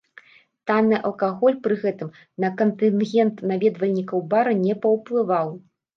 Танны алкаголь пры гэтым на кантынгент наведвальнікаў бара не паўплываў.